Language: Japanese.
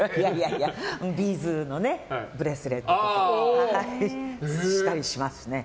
ビーズのブレスレットとかしたりしますね。